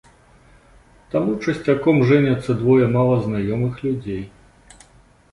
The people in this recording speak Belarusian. Таму часцяком жэняцца двое мала знаёмых людзей.